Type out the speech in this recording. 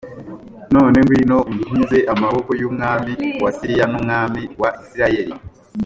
none ngwino unkize amaboko y’umwami wa siriya n’umwami wa isirayeli